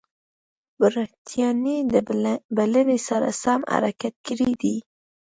برټانیې د بلنې سره سم حرکت کړی دی.